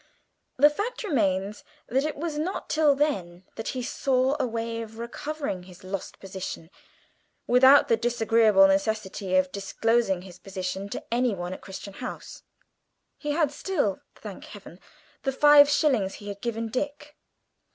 The fact remains that it was not till then that he saw a way of recovering his lost position, without the disagreeable necessity of disclosing his position to anyone at Crichton House. He had still thank Heaven the five shillings he had given Dick.